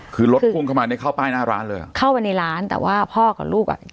คือรถพุ่งเข้ามาเนี้ยเข้าป้ายหน้าร้านเลยอ่ะเข้าไปในร้านแต่ว่าพ่อกับลูกอ่ะ